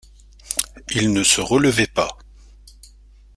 Il ne se relevait pas.